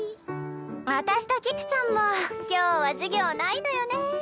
私と菊ちゃんも今日は授業ないのよね。